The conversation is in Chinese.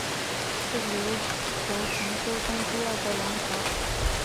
是琉球传说中第二个王朝。